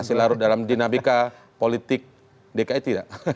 masih larut dalam dinamika politik dki tidak